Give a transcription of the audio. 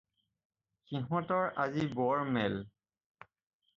সিহঁতৰ আজি বৰ মেল